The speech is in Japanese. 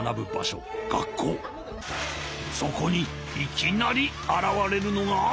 そこにいきなりあらわれるのが。